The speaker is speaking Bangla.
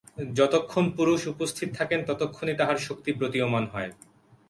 যতক্ষণ পুরুষ উপস্থিত থাকেন, ততক্ষণই তাহার শক্তি প্রতীয়মান হয়।